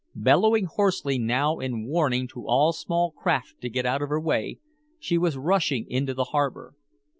Bellowing hoarsely now in warning to all small craft to get out of her way, she was rushing into the harbor.